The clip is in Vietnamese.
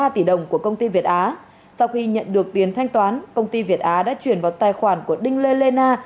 trước khi nhận được tiền thanh toán công ty việt á đã chuyển vào tài khoản của đinh lê lê na